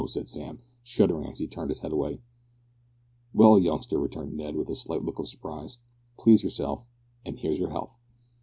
said Sam, shuddering as he turned his head away. "Well, youngster," returned Ned, with a slight look of surprise, "please yourself, and here's your health."